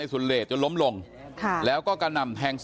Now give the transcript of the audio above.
หรือว่ามันเป็นศิลายาอะไรแล้วก็คิดว่าเขากลับมาแล้ว